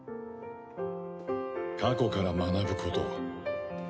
過去から学ぶこと。